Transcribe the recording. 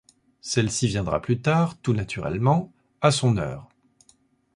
Celle-ci viendra plus tard, tout naturellement, à son heure.